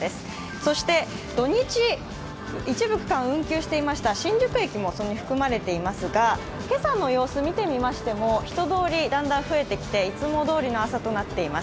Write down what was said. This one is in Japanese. そして土日、一部区間運休していました山手線新宿駅も含まれていますが今朝の様子、見てみましても、人通りだんだん増えてきて、いつもどおりの朝となっています。